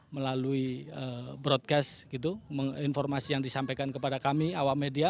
melalui broadcast gitu informasi yang disampaikan kepada kami awam media